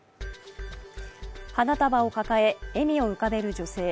花束を抱え、笑みを浮かべる女性。